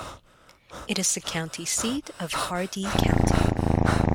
It is the county seat of Hardee County.